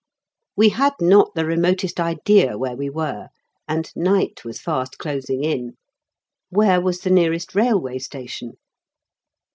We had not the remotest idea where we were, and night was fast closing in. Where was the nearest railway station?